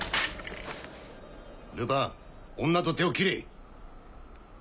ルパン女と手を切れ！